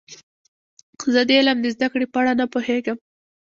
زه د علم د زده کړې په اړه نه پوهیږم.